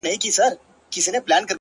o له خوب چي پاڅي ـ توره تياره وي ـ